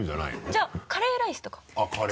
じゃあカレーライスとかは？